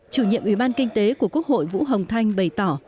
chủ nhiệm ủy ban kinh tế của quốc hội vũ hồng thanh bày tỏ